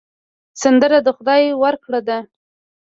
سندره د خدای ورکړه ده